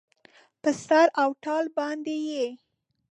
په سر او تال باندې یې